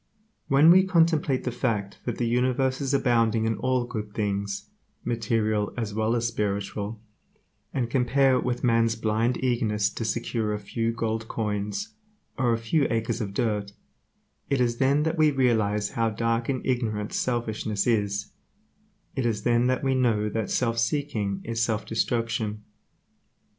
When we contemplate the fact that the universe is abounding in all good things, material as well as spiritual, and compare it with man's blind eagerness to secure a few gold coins, or a few acres of dirt, it is then that we realize how dark and ignorant selfishness is; it is then that we know that self seeking is self destruction.